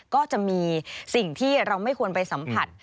ก็จะมีสิ่งที่เราไม่ควรไปสัมผัส